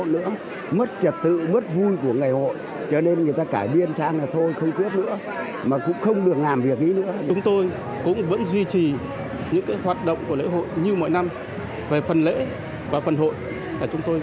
năm nay chúng tôi cũng duy trì